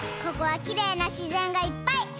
ここはきれいなしぜんがいっぱい。